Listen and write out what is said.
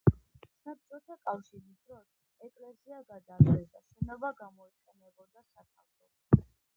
საბჭოთა კავშირის დროს, ეკლესია გაძარცვეს და შენობა გამოიყენებოდა სათავსოდ.